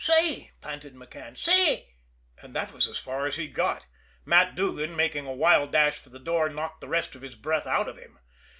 "Say!" panted McCann. "Say " and that was as far as he got. Matt Duggan, making a wild dash for the door, knocked the rest of his breath out of him.